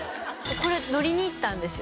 これ乗りに行ったんですよ